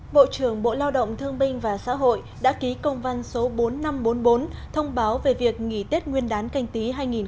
bộ trưởng bộ lao động thương binh và xã hội đã ký công văn số bốn nghìn năm trăm bốn mươi bốn thông báo về việc nghỉ tết nguyên đán canh tí hai nghìn hai mươi